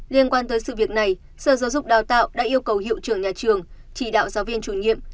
liên quan tới sự việc này sở giáo dục đào tạo đã yêu cầu hiệu trưởng nhà trường chỉ đạo giáo viên chủ nhiệm